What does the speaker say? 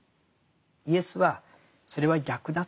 イエスはそれは逆だって。